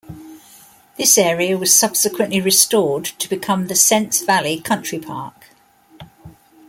This area was subsequently restored to become the Sence Valley Country Park.